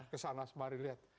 kesana mari lihat